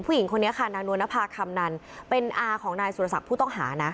ผู้หญิงคนนี้ค่ะนางนวลนภาคำนันเป็นอาของนายสุรศักดิ์ผู้ต้องหานะ